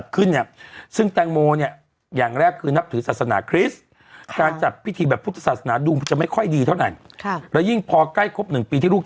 ดินสอเขียนคิ้วมิสทีนแบบหัวตัดหกเหลี่ยม